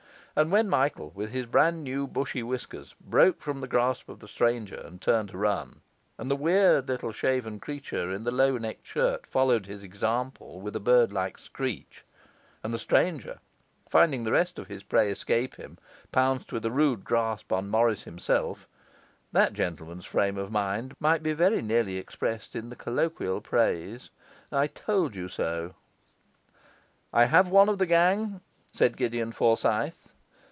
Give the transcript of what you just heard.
And when Michael, with his brand new bushy whiskers, broke from the grasp of the stranger and turned to run, and the weird little shaven creature in the low necked shirt followed his example with a bird like screech, and the stranger (finding the rest of his prey escape him) pounced with a rude grasp on Morris himself, that gentleman's frame of mind might be very nearly expressed in the colloquial phrase: 'I told you so!' 'I have one of the gang,' said Gideon Forsyth.